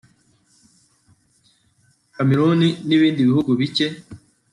Cameroun nibindi bihugu bike